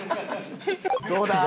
どうだ？